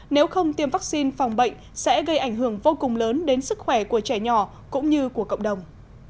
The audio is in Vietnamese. nếu không tiêm vaccine phòng bệnh sẽ gây ảnh hưởng vô cùng lớn đến sức khỏe của trẻ nhỏ cũng như của cộng đồng